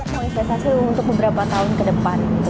saya mau istirahat selalu untuk beberapa tahun ke depan